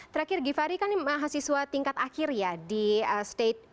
terakhir givhary kan ini mahasiswa tingkat akhir ya di state